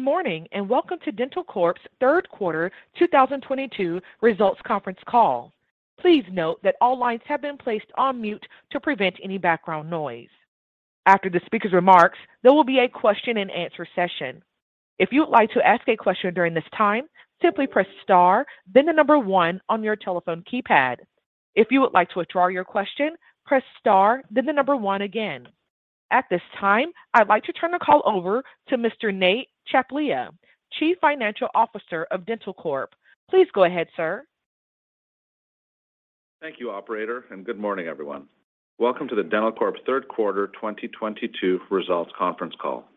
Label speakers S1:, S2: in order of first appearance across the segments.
S1: Good morning, and welcome to dentalcorp's third quarter 2022 results conference call. Please note that all lines have been placed on mute to prevent any background noise. After the speaker's remarks, there will be a question and answer session. If you would like to ask a question during this time, simply press star then 1 on your telephone keypad. If you would like to withdraw your question, press star then 1 again. At this time, I'd like to turn the call over to Mr. Nate Tchaplia, Chief Financial Officer of dentalcorp. Please go ahead, sir.
S2: Thank you, operator, and good morning, everyone. Welcome to dentalcorp's third quarter 2022 results conference call.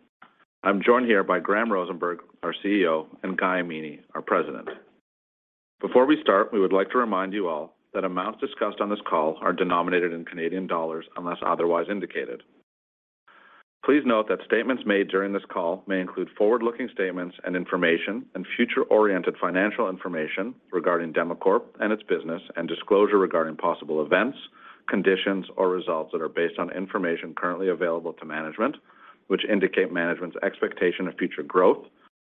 S2: I'm joined here by Graham Rosenberg, our CEO, and Guy Amini, our President. Before we start, we would like to remind you all that amounts discussed on this call are denominated in Canadian dollars unless otherwise indicated. Please note that statements made during this call may include forward-looking statements and information and future-oriented financial information regarding dentalcorp and its business and disclosure regarding possible events, conditions, or results that are based on information currently available to management, which indicate management's expectation of future growth,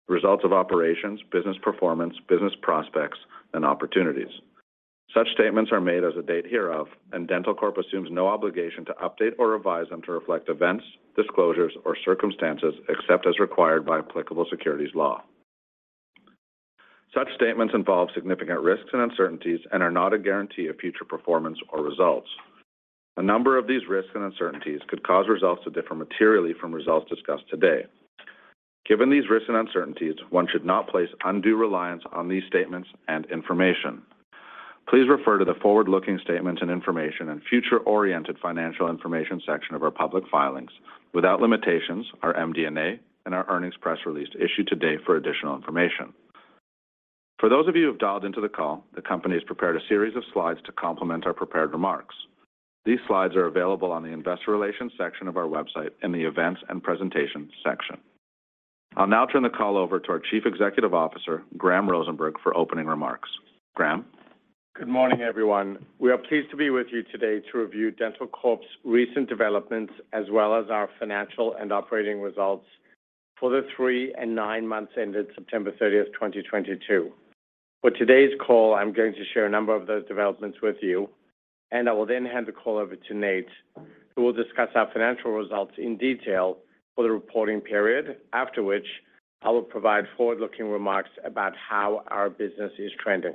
S2: results of operations, business performance, business prospects, and opportunities. Such statements are made as of the date hereof, and dentalcorp assumes no obligation to update or revise them to reflect events, disclosures, or circumstances except as required by applicable securities law. Such statements involve significant risks and uncertainties and are not a guarantee of future performance or results. A number of these risks and uncertainties could cause results to differ materially from results discussed today. Given these risks and uncertainties, one should not place undue reliance on these statements and information. Please refer to the forward-looking statements and information and future-oriented financial information section of our public filings without limitations, our MD&A and our earnings press release issued today for additional information. For those of you who've dialed into the call, the company has prepared a series of slides to complement our prepared remarks. These slides are available on the investor relations section of our website in the Events and Presentations section. I'll now turn the call over to our Chief Executive Officer, Graham Rosenberg, for opening remarks. Graham.
S3: Good morning, everyone. We are pleased to be with you today to review dentalcorp's recent developments, as well as our financial and operating results for the three and nine months ended September 30, 2022. For today's call, I'm going to share a number of those developments with you, and I will then hand the call over to Nate, who will discuss our financial results in detail for the reporting period. After which, I will provide forward-looking remarks about how our business is trending.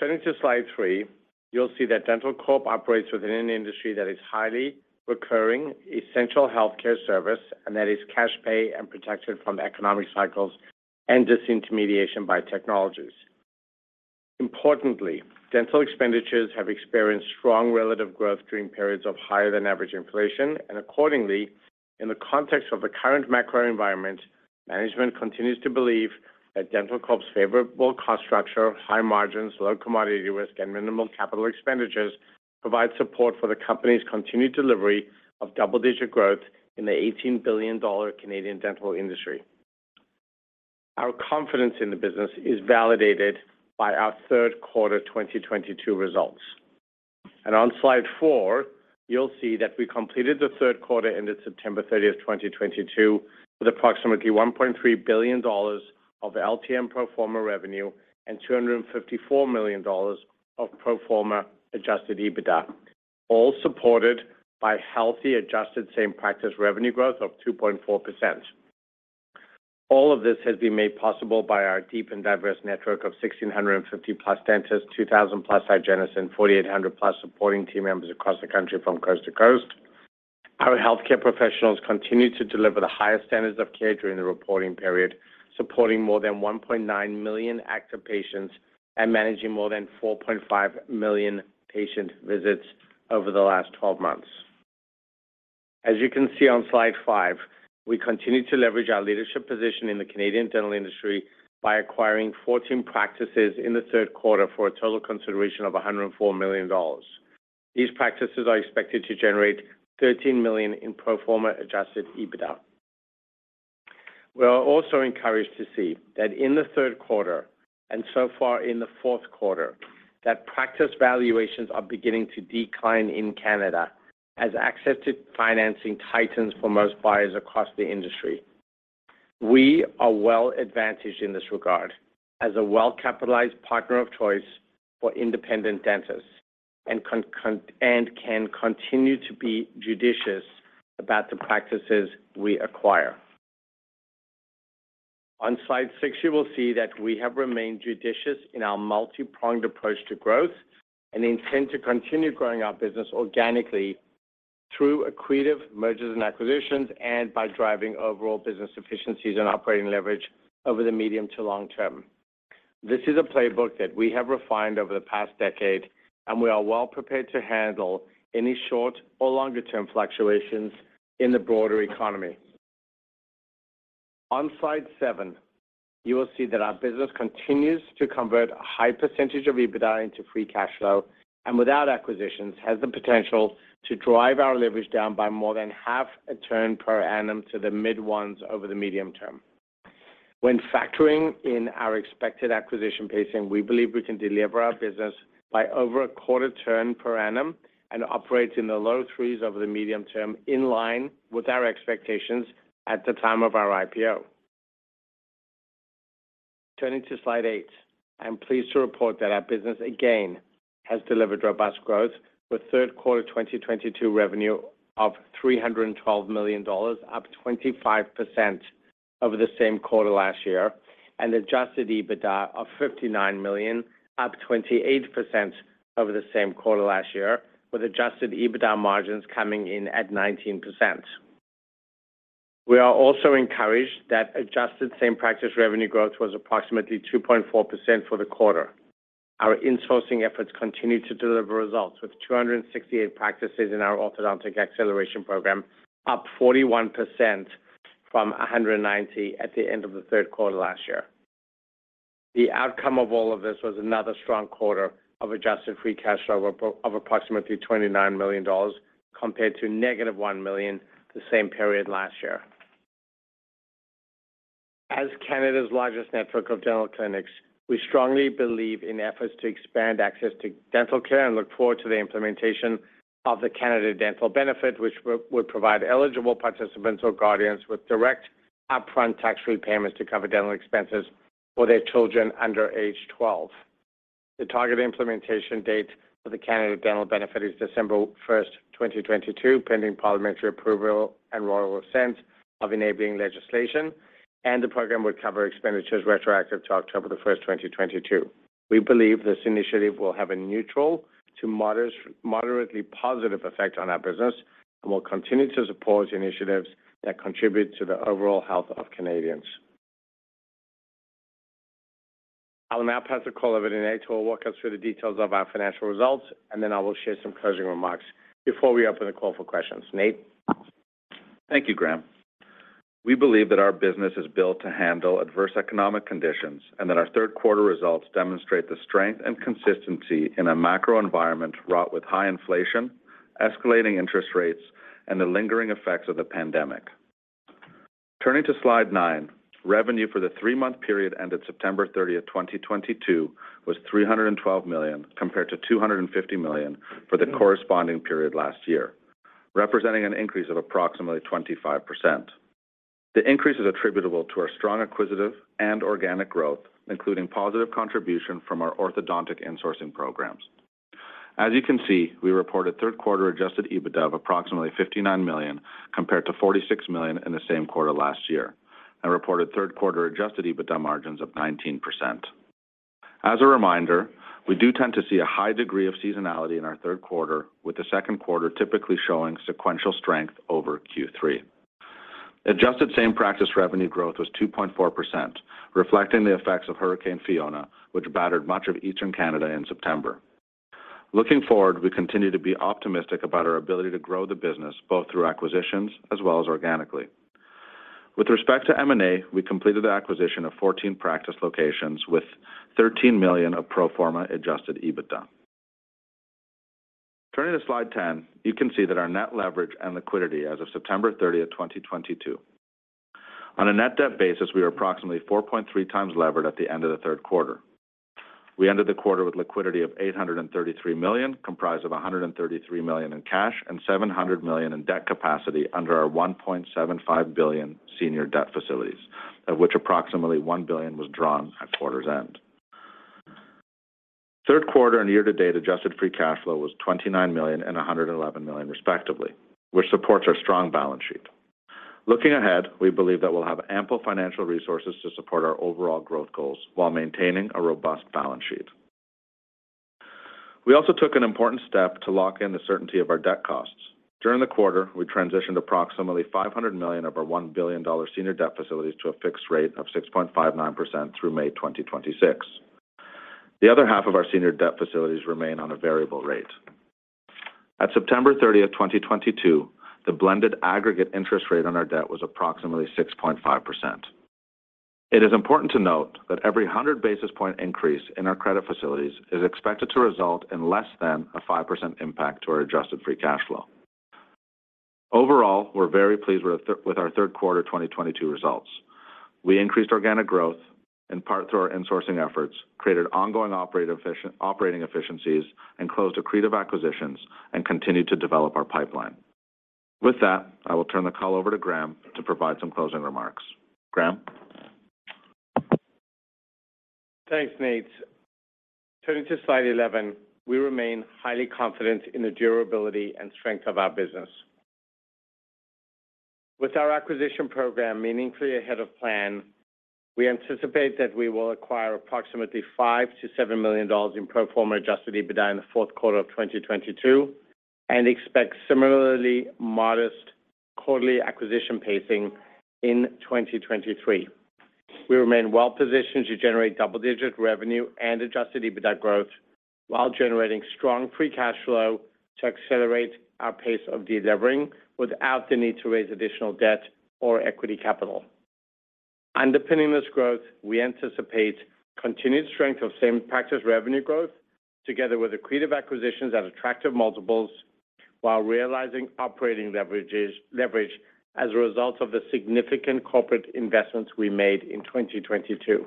S3: Turning to slide 3, you'll see that dentalcorp operates within an industry that is highly recurring, essential healthcare service, and that is cash pay and protected from economic cycles and disintermediation by technologies. Importantly, dental expenditures have experienced strong relative growth during periods of higher than average inflation. Accordingly, in the context of the current macro environment, management continues to believe that dentalcorp's favorable cost structure, high margins, low commodity risk, and minimal capital expenditures provide support for the company's continued delivery of double-digit growth in the 18 billion Canadian dollars Canadian dental industry. Our confidence in the business is validated by our third quarter 2022 results. On slide 4, you'll see that we completed the third quarter ended September 30, 2022, with approximately 1.3 billion dollars of LTM pro forma revenue and 254 million dollars of pro forma adjusted EBITDA, all supported by healthy adjusted same practice revenue growth of 2.4%. All of this has been made possible by our deep and diverse network of 1,650+ dentists, 2,000+ hygienists, and 4,800+ supporting team members across the country from coast to coast. Our healthcare professionals continued to deliver the highest standards of care during the reporting period, supporting more than 1.9 million active patients and managing more than 4.5 million patient visits over the last 12 months. As you can see on slide 5, we continued to leverage our leadership position in the Canadian dental industry by acquiring 14 practices in the third quarter for a total consideration of 104 million dollars. These practices are expected to generate 13 million in pro forma adjusted EBITDA. We are also encouraged to see that in the third quarter, and so far in the fourth quarter, that practice valuations are beginning to decline in Canada as access to financing tightens for most buyers across the industry. We are well-advantaged in this regard as a well-capitalized partner of choice for independent dentists and can continue to be judicious about the practices we acquire. On slide 6, you will see that we have remained judicious in our multi-pronged approach to growth and intend to continue growing our business organically through accretive mergers and acquisitions and by driving overall business efficiencies and operating leverage over the medium to long term. This is a playbook that we have refined over the past decade, and we are well prepared to handle any short or longer-term fluctuations in the broader economy. On slide 7, you will see that our business continues to convert a high percentage of EBITDA into free cash flow, and without acquisitions, has the potential to drive our leverage down by more than half a turn per annum to the mid-ones over the medium term. When factoring in our expected acquisition pacing, we believe we can deliver our business by over a quarter turn per annum and operate in the low threes over the medium term, in line with our expectations at the time of our IPO. Turning to slide 8. I'm pleased to report that our business again has delivered robust growth with third quarter 2022 revenue of 312 million dollars, up 25% over the same quarter last year, and adjusted EBITDA of 59 million, up 28% over the same quarter last year, with adjusted EBITDA margins coming in at 19%. We are also encouraged that adjusted same-practice revenue growth was approximately 2.4% for the quarter. Our insourcing efforts continue to deliver results, with 268 practices in our Ortho Acceleration Program, up 41% from 190 at the end of the third quarter last year. The outcome of all of this was another strong quarter of adjusted free cash flow of approximately 29 million dollars, compared to -1 million the same period last year. As Canada's largest network of dental clinics, we strongly believe in efforts to expand access to dental care and look forward to the implementation of the Canadian Dental Care Plan, which would provide eligible participants or guardians with direct upfront tax repayments to cover dental expenses for their children under age 12. The targeted implementation date for the Canadian Dental Care Plan is December 1st, 2022, pending parliamentary approval and Royal Assent of enabling legislation, and the program would cover expenditures retroactive to October the 1st, 2022. We believe this initiative will have a neutral to moderately positive effect on our business and will continue to support initiatives that contribute to the overall health of Canadians. I'll now pass the call over to Nate, who will walk us through the details of our financial results, and then I will share some closing remarks before we open the call for questions. Nate?
S2: Thank you, Graham. We believe that our business is built to handle adverse economic conditions and that our third quarter results demonstrate the strength and consistency in a macro environment wrought with high inflation, escalating interest rates, and the lingering effects of the pandemic. Turning to slide 9, revenue for the three-month period ended September 30, 2022 was 312 million, compared to 250 million for the corresponding period last year, representing an increase of approximately 25%. The increase is attributable to our strong acquisitive and organic growth, including positive contribution from our orthodontic insourcing programs. As you can see, we reported third quarter adjusted EBITDA of approximately 59 million, compared to 46 million in the same quarter last year, and reported third quarter adjusted EBITDA margins of 19%. As a reminder, we do tend to see a high degree of seasonality in our third quarter, with the second quarter typically showing sequential strength over Q3. Adjusted same-practice revenue growth was 2.4%, reflecting the effects of Hurricane Fiona, which battered much of Eastern Canada in September. Looking forward, we continue to be optimistic about our ability to grow the business both through acquisitions as well as organically. With respect to M&A, we completed the acquisition of 14 practice locations with 13 million of pro forma adjusted EBITDA. Turning to slide 10, you can see that our net leverage and liquidity as of September 30, 2022. On a net debt basis, we were approximately 4.3x levered at the end of the third quarter. We ended the quarter with liquidity of 833 million, comprised of 133 million in cash and 700 million in debt capacity under our 1.75 billion senior debt facilities, of which approximately 1 billion was drawn at quarter's end. Third quarter and year-to-date adjusted free cash flow was 29 million and 111 million respectively, which supports our strong balance sheet. Looking ahead, we believe that we'll have ample financial resources to support our overall growth goals while maintaining a robust balance sheet. We also took an important step to lock in the certainty of our debt costs. During the quarter, we transitioned approximately 500 million of our 1 billion dollar senior debt facilities to a fixed rate of 6.59% through May 2026. The other half of our senior debt facilities remain on a variable rate. At September 30, 2022, the blended aggregate interest rate on our debt was approximately 6.5%. It is important to note that every 100 basis point increase in our credit facilities is expected to result in less than a 5% impact to our adjusted free cash flow. Overall, we're very pleased with our third quarter 2022 results. We increased organic growth, in part through our insourcing efforts, created ongoing operating efficiencies, and closed accretive acquisitions, and continued to develop our pipeline. With that, I will turn the call over to Graham to provide some closing remarks. Graham?
S3: Thanks, Nate. Turning to slide 11, we remain highly confident in the durability and strength of our business. With our acquisition program meaningfully ahead of plan, we anticipate that we will acquire approximately 5 million to 7 million dollars in pro forma adjusted EBITDA in the fourth quarter of 2022 and expect similarly modest quarterly acquisition pacing in 2023. We remain well positioned to generate double-digit revenue and adjusted EBITDA growth while generating strong free cash flow to accelerate our pace of delivering without the need to raise additional debt or equity capital. Underpinning this growth, we anticipate continued strength of same-practice revenue growth together with accretive acquisitions at attractive multiples. While realizing operating leverage as a result of the significant corporate investments we made in 2022.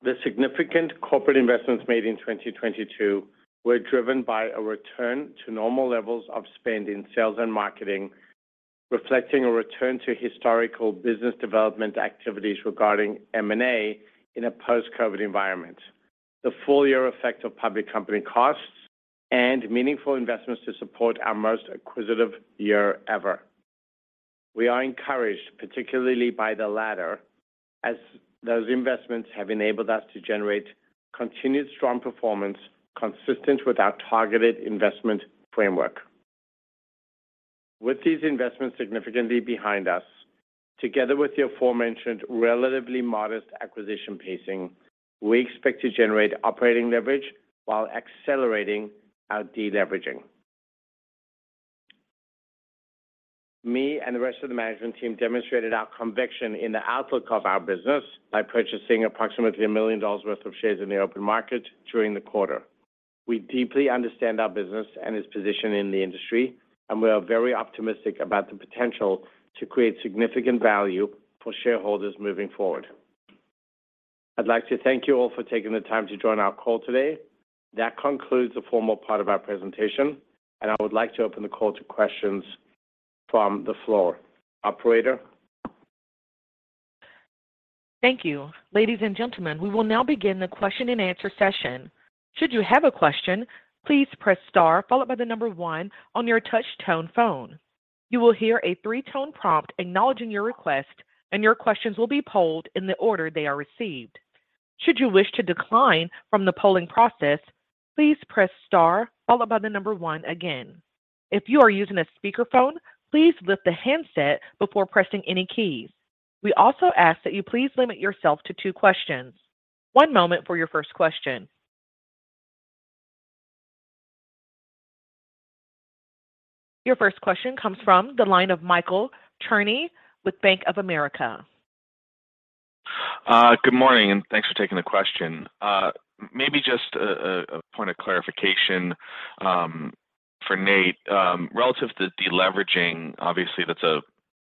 S3: The significant corporate investments made in 2022 were driven by a return to normal levels of spend in sales and marketing, reflecting a return to historical business development activities regarding M&A in a post-COVID environment. The full year effect of public company costs and meaningful investments to support our most acquisitive year ever. We are encouraged, particularly by the latter, as those investments have enabled us to generate continued strong performance consistent with our targeted investment framework. With these investments significantly behind us, together with the aforementioned relatively modest acquisition pacing, we expect to generate operating leverage while accelerating our deleveraging. Me and the rest of the management team demonstrated our conviction in the outlook of our business by purchasing approximately 1 million dollars worth of shares in the open market during the quarter. We deeply understand our business and its position in the industry, and we are very optimistic about the potential to create significant value for shareholders moving forward. I'd like to thank you all for taking the time to join our call today. That concludes the formal part of our presentation, and I would like to open the call to questions from the floor. Operator?
S1: Thank you. Ladies and gentlemen, we will now begin the question-and-answer session. Should you have a question, please press star followed by the number 1 on your touch tone phone. You will hear a three-tone prompt acknowledging your request, and your questions will be polled in the order they are received. Should you wish to decline from the polling process, please press star followed by the number 1 again. If you are using a speakerphone, please lift the handset before pressing any keys. We also ask that you please limit yourself to two questions. One moment for your first question. Your first question comes from the line of Michael Cherny with Bank of America.
S4: Good morning, and thanks for taking the question. Maybe just a point of clarification for Nate. Relative to deleveraging, obviously, that's a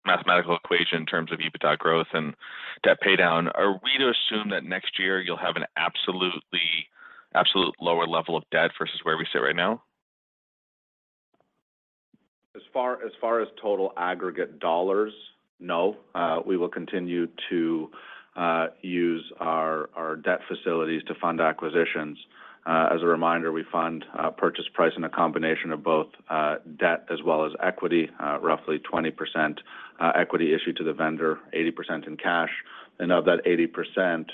S4: mathematical equation in terms of EBITDA growth and debt paydown. Are we to assume that next year you'll have an absolute lower level of debt versus where we sit right now?
S2: As far as total aggregate dollars, no. We will continue to use our debt facilities to fund acquisitions. As a reminder, we fund purchase price in a combination of both debt as well as equity, roughly 20% equity issued to the vendor, 80% in cash. Of that 80%,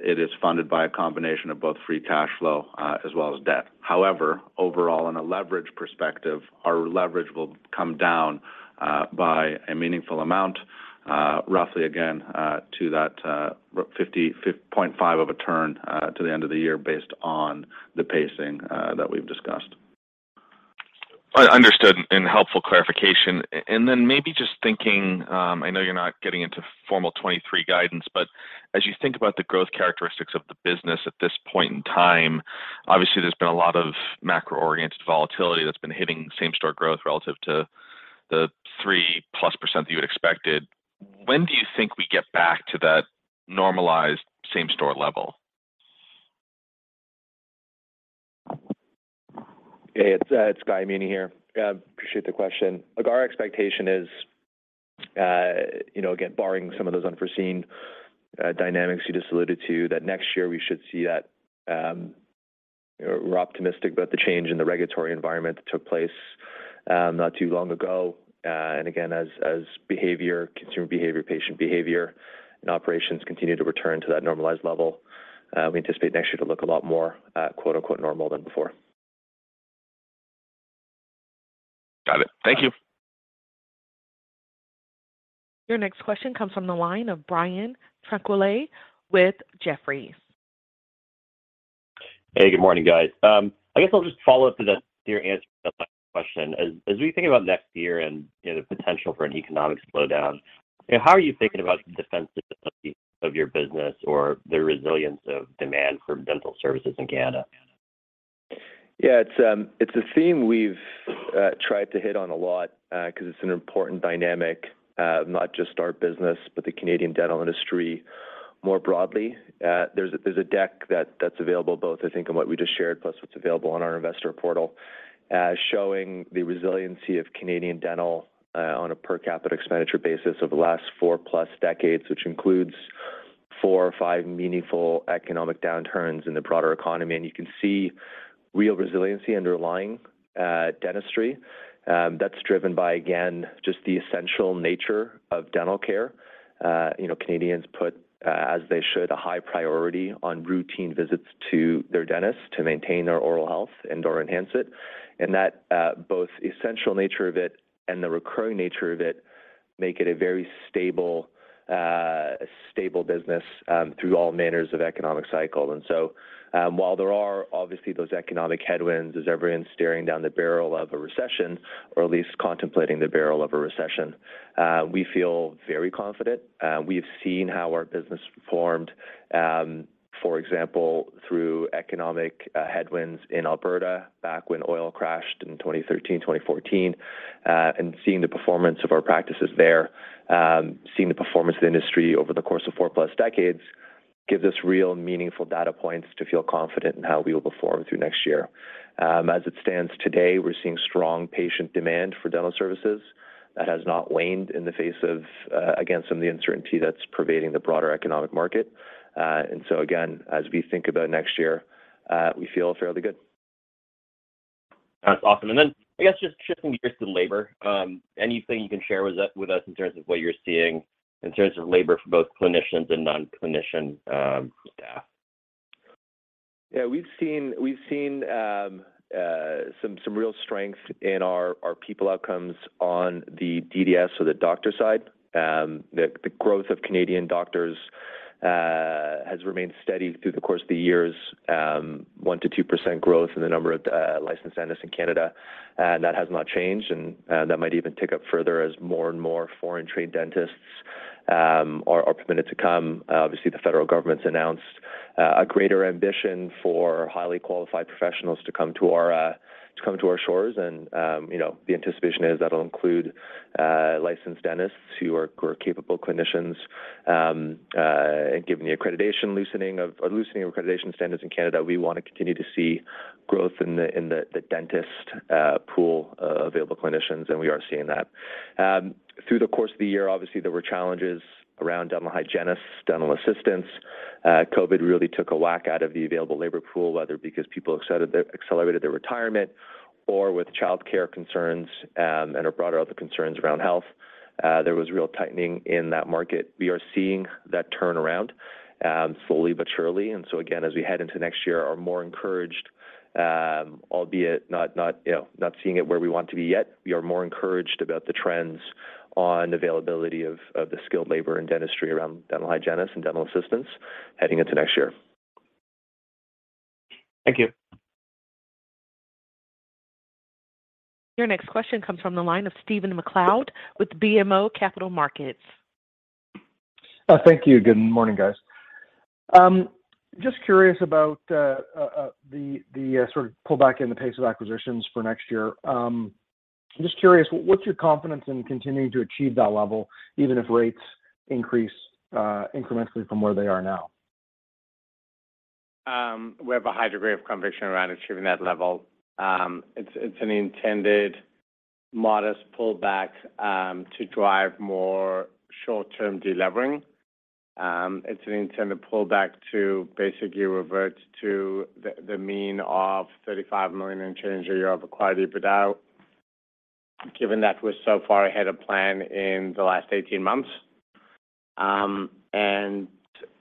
S2: it is funded by a combination of both free cash flow as well as debt. However, overall, in a leverage perspective, our leverage will come down by a meaningful amount, roughly again to 0.5 of a turn to the end of the year based on the pacing that we've discussed.
S4: Understood and helpful clarification. Maybe just thinking, I know you're not getting into formal 2023 guidance. As you think about the growth characteristics of the business at this point in time, obviously, there's been a lot of macro-oriented volatility that's been hitting same-store growth relative to the 3%+ that you had expected. When do you think we get back to that normalized same-store level?
S5: Hey, it's Guy Amini here. Appreciate the question. Look, our expectation is, you know, again, barring some of those unforeseen dynamics you just alluded to, that next year we should see that, you know, we're optimistic about the change in the regulatory environment that took place not too long ago. Again, consumer behavior, patient behavior, and operations continue to return to that normalized level, we anticipate next year to look a lot more quote-unquote normal than before.
S4: Got it. Thank you.
S1: Your next question comes from the line of Brian Tanquilut with Jefferies.
S6: Hey, good morning, guys. I guess I'll just follow up to your answer to that last question. As we think about next year and, you know, the potential for an economic slowdown, how are you thinking about the defensibility of your business or the resilience of demand for dental services in Canada?
S3: Yeah, it's a theme we've tried to hit on a lot, 'cause it's an important dynamic, not just our business, but the Canadian dental industry more broadly. There's a deck that's available both, I think, in what we just shared plus what's available on our investor portal, showing the resiliency of Canadian dental, on a per capita expenditure basis over the last four-plus decades, which includes four or five meaningful economic downturns in the broader economy. You can see real resiliency underlying dentistry, that's driven by, again, just the essential nature of dental care. You know, Canadians put a, as they should, a high priority on routine visits to their dentist to maintain their oral health and/or enhance it. That both essential nature of it and the recurring nature of it make it a very stable business through all matters of economic cycle. While there are obviously those economic headwinds as everyone's staring down the barrel of a recession or at least contemplating the barrel of a recession, we feel very confident. We have seen how our business performed, for example, through economic headwinds in Alberta back when oil crashed in 2013, 2014, and seeing the performance of our practices there, seeing the performance of the industry over the course of 4+ decades gives us real meaningful data points to feel confident in how we will perform through next year. As it stands today, we're seeing strong patient demand for dental services that has not waned in the face of, again, some of the uncertainty that's pervading the broader economic market. Again, as we think about next year, we feel fairly good.
S6: That's awesome. I guess just shifting gears to labor, anything you can share with us in terms of what you're seeing in terms of labor for both clinicians and non-clinician staff?
S3: Yeah. We've seen some real strength in our people outcomes on the DDS or the doctor side. The growth of Canadian doctors has remained steady through the course of the years. 1%-2% growth in the number of licensed dentists in Canada, and that has not changed, and that might even tick up further as more and more foreign-trained dentists are permitted to come. Obviously, the federal government's announced a greater ambition for highly qualified professionals to come to our shores and, you know, the anticipation is that'll include licensed dentists who are capable clinicians. Given the loosening of accreditation standards in Canada, we wanna continue to see growth in the dentist pool of available clinicians, and we are seeing that. Through the course of the year, obviously, there were challenges around dental hygienists, dental assistants. COVID really took a whack out of the available labor pool, whether because people accelerated their retirement or with childcare concerns, or broader other concerns around health. There was real tightening in that market. We are seeing that turn around, slowly but surely. Again, as we head into next year, are more encouraged, albeit not, you know, not seeing it where we want to be yet. We are more encouraged about the trends on availability of the skilled labor in dentistry around dental hygienists and dental assistants heading into next year.
S6: Thank you.
S1: Your next question comes from the line of Stephen MacLeod with BMO Capital Markets.
S7: Thank you. Good morning, guys. Just curious about the sort of pullback in the pace of acquisitions for next year. I'm just curious, what's your confidence in continuing to achieve that level even if rates increase incrementally from where they are now?
S3: We have a high degree of conviction around achieving that level. It's an intended modest pullback to drive more short-term delevering. It's an intended pullback to basically revert to the mean of 35 million in change a year of acquired EBITDA, given that we're so far ahead of plan in the last 18 months.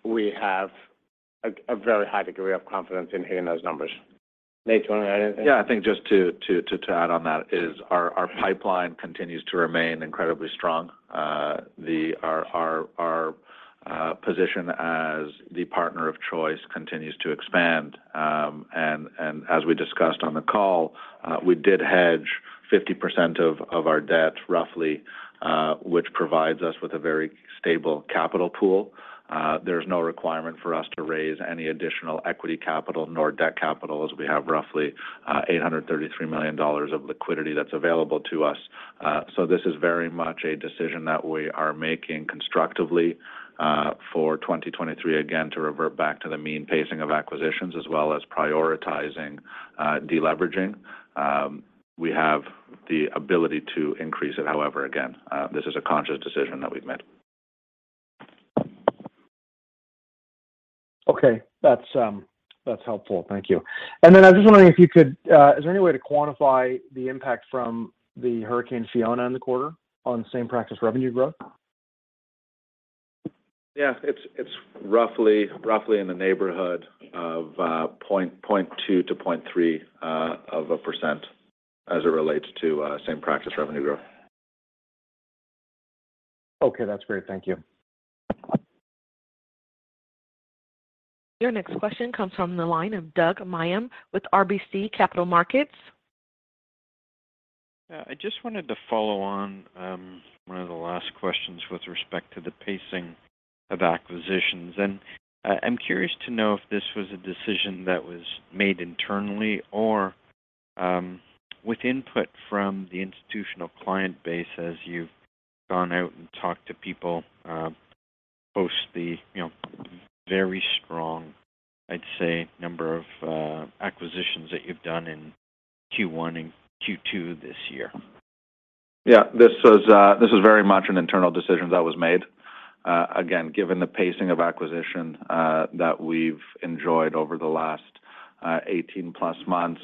S3: We have a very high degree of confidence in hitting those numbers. Nate, do you wanna add anything?
S2: Yeah. I think just to add on that is our pipeline continues to remain incredibly strong. Our position as the partner of choice continues to expand. And as we discussed on the call, we did hedge roughly 50% of our debt, which provides us with a very stable capital pool. There's no requirement for us to raise any additional equity capital nor debt capital, as we have roughly 833 million dollars of liquidity that's available to us. So this is very much a decision that we are making constructively for 2023, again, to revert back to the mean pacing of acquisitions as well as prioritizing deleveraging. We have the ability to increase it. However, again, this is a conscious decision that we've made.
S7: Okay. That's helpful. Thank you. Then I was just wondering if you could, is there any way to quantify the impact from the Hurricane Fiona in the quarter on same practice revenue growth?
S3: Yeah. It's roughly in the neighborhood of 0.2-0.3% as it relates to same practice revenue growth.
S7: Okay. That's great. Thank you.
S1: Your next question comes from the line of Doug Miehm with RBC Capital Markets.
S8: Yeah. I just wanted to follow on, one of the last questions with respect to the pacing of acquisitions. I'm curious to know if this was a decision that was made internally or, with input from the institutional client base as you've gone out and talked to people, post the, you know, very strong, I'd say, number of, acquisitions that you've done in Q1 and Q2 this year.
S3: Yeah. This was very much an internal decision that was made. Again, given the pacing of acquisition that we've enjoyed over the last 18+ months,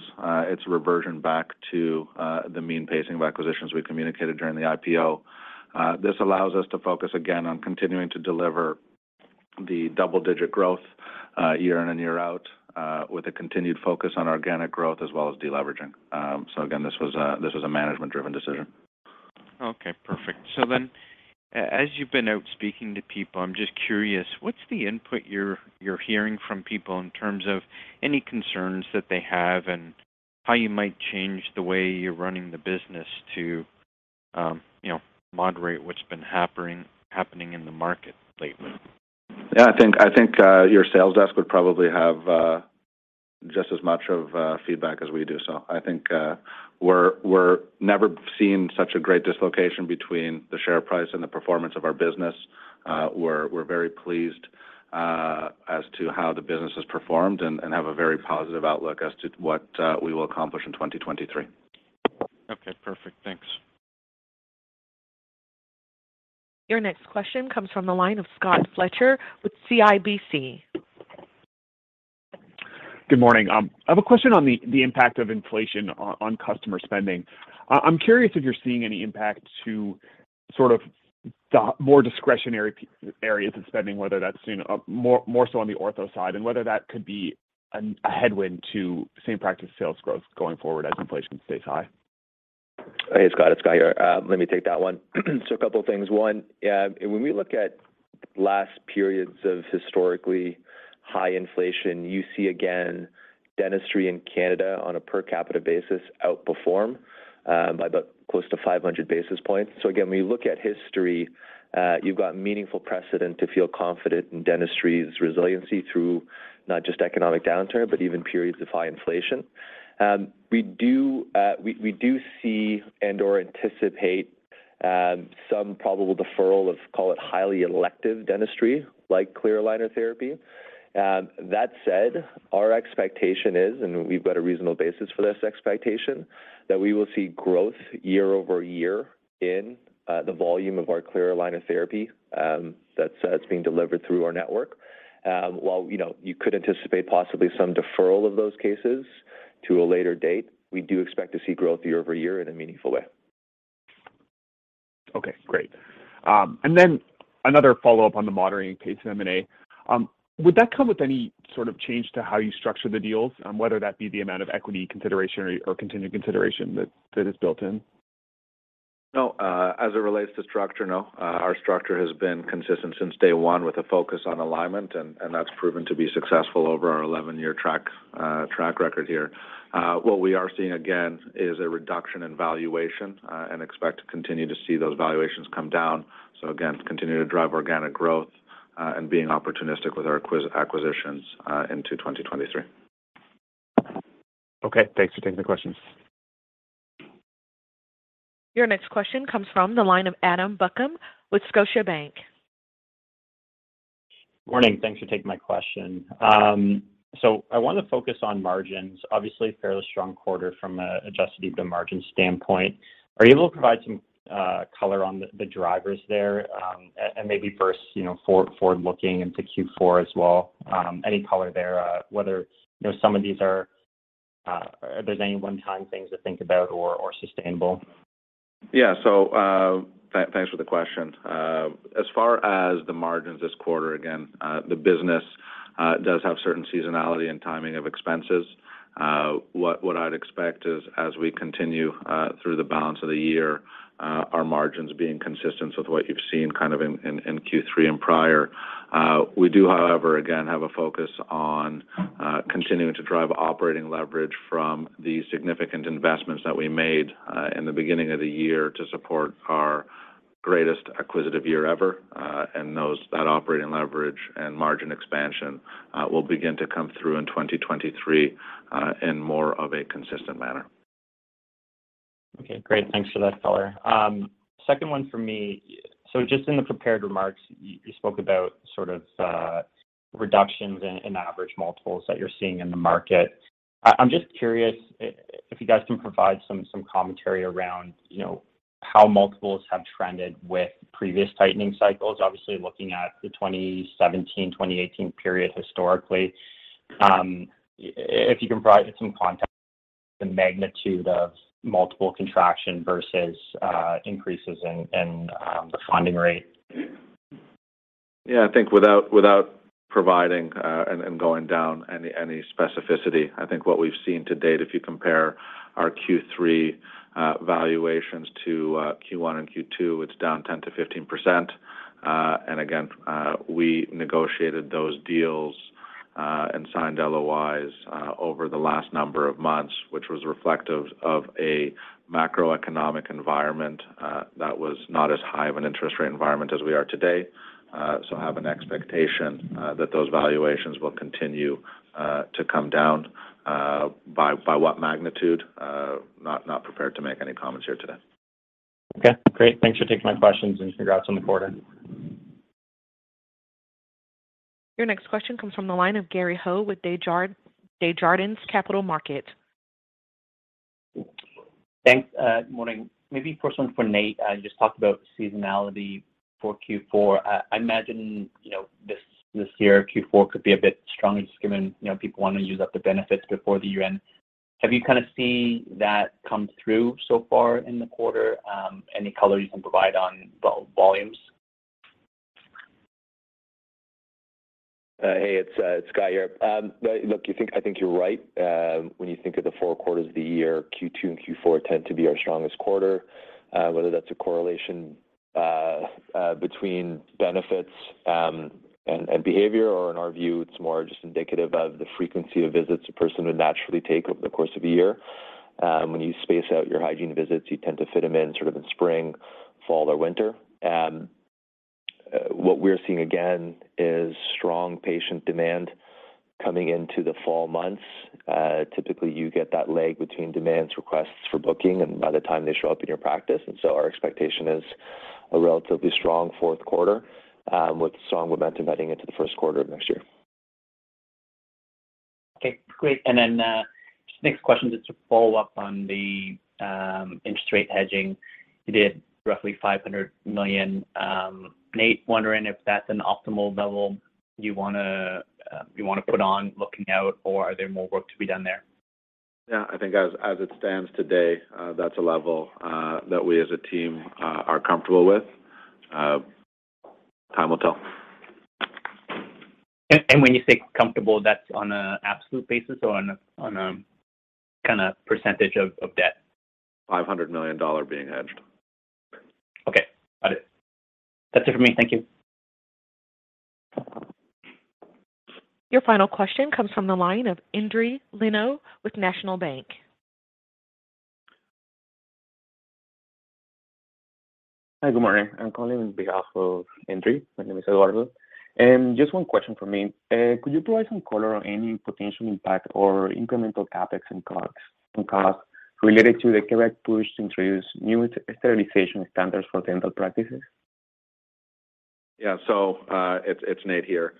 S3: it's reversion back to the mean pacing of acquisitions we communicated during the IPO. This allows us to focus again on continuing to deliver the double-digit growth year in and year out with a continued focus on organic growth as well as deleveraging. Again, this was a management-driven decision.
S8: Okay, perfect. As you've been out speaking to people, I'm just curious, what's the input you're hearing from people in terms of any concerns that they have and how you might change the way you're running the business to, you know, moderate what's been happening in the market lately?
S2: Yeah, I think your sales desk would probably have just as much feedback as we do. I think we've never seen such a great dislocation between the share price and the performance of our business. We're very pleased as to how the business has performed and have a very positive outlook as to what we will accomplish in 2023.
S8: Okay, perfect. Thanks.
S1: Your next question comes from the line of Scott Fletcher with CIBC.
S9: Good morning. I have a question on the impact of inflation on customer spending. I'm curious if you're seeing any impact to sort of the more discretionary areas of spending, whether that's, you know, more so on the ortho side and whether that could be a headwind to same practice sales growth going forward as inflation stays high.
S5: Hey, Scott. It's Guy here. Let me take that one. A couple of things. One, when we look at last periods of historically high inflation, you see again dentistry in Canada on a per capita basis outperform by about close to 500 basis points. Again, when you look at history, you've got meaningful precedent to feel confident in dentistry's resiliency through not just economic downturn, but even periods of high inflation. We do see and/or anticipate some probable deferral of call it highly elective dentistry, like clear aligner therapy. That said, our expectation is, and we've got a reasonable basis for this expectation, that we will see growth year-over-year in the volume of our clear aligner therapy that's being delivered through our network. While, you know, you could anticipate possibly some deferral of those cases to a later date, we do expect to see growth year-over-year in a meaningful way.
S9: Okay, great. Another follow-up on the moderating pace of M&A. Would that come with any sort of change to how you structure the deals, whether that be the amount of equity consideration or continued consideration that is built in?
S5: No. As it relates to structure, no. Our structure has been consistent since day one with a focus on alignment and that's proven to be successful over our 11-year track record here. What we are seeing again is a reduction in valuation and expect to continue to see those valuations come down. Again, continue to drive organic growth and being opportunistic with our acquisitions into 2023.
S9: Okay, thanks for taking the questions.
S1: Your next question comes from the line of Adam Buckham with Scotiabank.
S10: Morning. Thanks for taking my question. I wanna focus on margins. Obviously, a fairly strong quarter from an adjusted EBITDA margin standpoint. Are you able to provide some color on the drivers there, and maybe first, you know, forward looking into Q4 as well, any color there, whether, you know, some of these are there any one-time things to think about or sustainable?
S2: Yeah. Thanks for the question. As far as the margins this quarter, again, the business does have certain seasonality and timing of expenses. What I'd expect is as we continue through the balance of the year, our margins being consistent with what you've seen kind of in Q3 and prior. We do, however, again, have a focus on continuing to drive operating leverage from the significant investments that we made in the beginning of the year to support our greatest acquisitive year ever, and that operating leverage and margin expansion will begin to come through in 2023 in more of a consistent manner.
S10: Okay, great. Thanks for that color. Second one for me. Just in the prepared remarks, you spoke about sort of reductions in average multiples that you're seeing in the market. I'm just curious if you guys can provide some commentary around, you know, how multiples have trended with previous tightening cycles, obviously looking at the 2017, 2018 period historically. If you can provide some context, the magnitude of multiple contraction versus increases in the funding rate.
S2: Yeah. I think without providing and going down any specificity, I think what we've seen to date, if you compare our Q3 valuations to Q1 and Q2, it's down 10%-15%. Again, we negotiated those deals and signed LOIs over the last number of months, which was reflective of a macroeconomic environment that was not as high of an interest rate environment as we are today. Have an expectation that those valuations will continue to come down. By what magnitude? Not prepared to make any comments here today.
S10: Okay, great. Thanks for taking my questions, and congrats on the quarter.
S1: Your next question comes from the line of Gary Ho with Desjardins Capital Markets.
S11: Thanks. Morning. Maybe first one for Nate. You just talked about seasonality for Q4. I imagine, you know, this year, Q4 could be a bit strong just given, you know, people wanna use up the benefits before the year end. Have you kinda seen that come through so far in the quarter? Any color you can provide on volumes?
S9: Hey, it's Scott here. Look, I think you're right, when you think of the four quarters of the year, Q2 and Q4 tend to be our strongest quarter. Whether that's a correlation between benefits and behavior, or in our view, it's more just indicative of the frequency of visits a person would naturally take over the course of a year. When you space out your hygiene visits, you tend to fit them in sort of in spring, fall, or winter. What we're seeing again is strong patient demand coming into the fall months. Typically, you get that lag between demands, requests for booking, and by the time they show up in your practice. Our expectation is a relatively strong fourth quarter, with strong momentum heading into the first quarter of next year.
S11: Okay, great. Just next question, just to follow up on the interest rate hedging. You did roughly 500 million, Nate. Wondering if that's an optimal level you wanna put on looking out, or are there more work to be done there?
S2: Yeah. I think as it stands today, that's a level that we as a team are comfortable with. Time will tell.
S11: When you say comfortable, that's on a absolute basis or on a kinda percentage of debt?
S2: 500 million dollar being hedged.
S11: Okay, got it. That's it for me. Thank you.
S1: Your final question comes from the line of Endri Leno with National Bank.
S12: Hi, good morning. I'm calling on behalf of Endri. My name is Eduardo. Just one question from me. Could you provide some color on any potential impact or incremental CapEx and costs related to the Quebec push to introduce new sterilization standards for dental practices?
S2: Yeah. It's Nate here.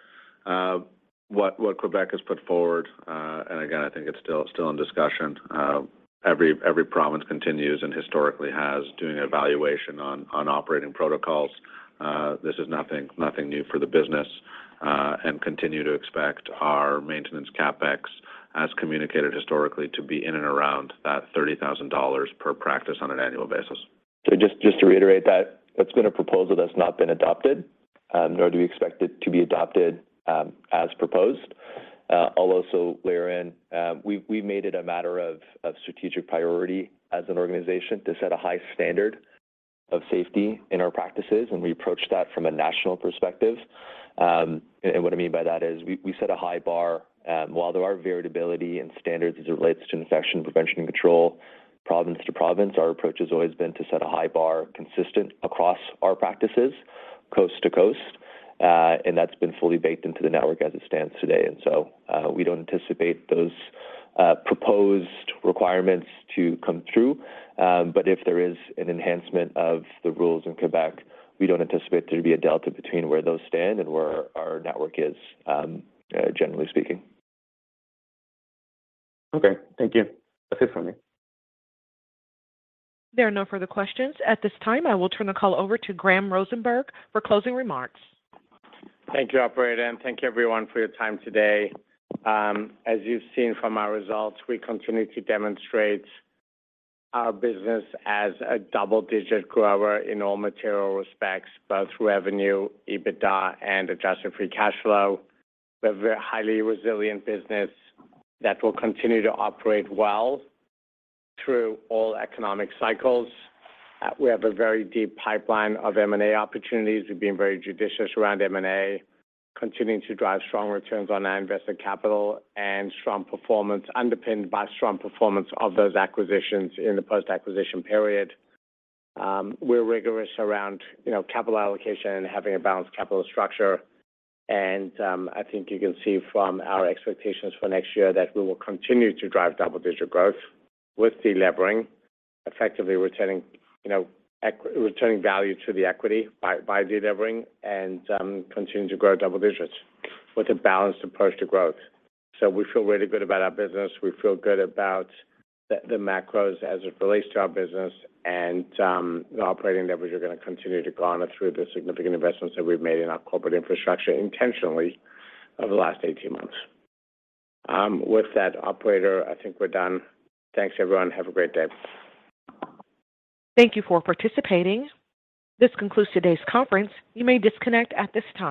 S2: What Quebec has put forward, and again, I think it's still in discussion. Every province continues, and historically has, doing an evaluation on operating protocols. This is nothing new for the business. Continue to expect our maintenance CapEx, as communicated historically, to be in and around 30,000 dollars per practice on an annual basis.
S3: Just to reiterate that's been a proposal that's not been adopted, nor do we expect it to be adopted, as proposed. I'll also layer in, we've made it a matter of strategic priority as an organization to set a high standard of safety in our practices, and we approach that from a national perspective. What I mean by that is we set a high bar. While there are variability in standards as it relates to infection prevention and control, province to province, our approach has always been to set a high bar consistent across our practices coast to coast. That's been fully baked into the network as it stands today. We don't anticipate those proposed requirements to come through. If there is an enhancement of the rules in Quebec, we don't anticipate there to be a delta between where those stand and where our network is, generally speaking.
S12: Okay, thank you. That's it for me.
S1: There are no further questions at this time. I will turn the call over to Graham Rosenberg for closing remarks.
S3: Thank you, operator, and thank you everyone for your time today. As you've seen from our results, we continue to demonstrate our business as a double-digit grower in all material respects, both revenue, EBITDA, and adjusted free cash flow. We have a very highly resilient business that will continue to operate well through all economic cycles. We have a very deep pipeline of M&A opportunities. We've been very judicious around M&A, continuing to drive strong returns on our invested capital and strong performance, underpinned by strong performance of those acquisitions in the post-acquisition period. We're rigorous around, you know, capital allocation and having a balanced capital structure. I think you can see from our expectations for next year that we will continue to drive double-digit growth with delevering, effectively returning, you know, returning value to the equity by delevering and continuing to grow double digits with a balanced approach to growth. We feel really good about our business. We feel good about the macros as it relates to our business. Our operating leverage are gonna continue to garner through the significant investments that we've made in our corporate infrastructure intentionally over the last 18 months. With that, operator, I think we're done. Thanks, everyone. Have a great day.
S1: Thank you for participating. This concludes today's conference. You may disconnect at this time.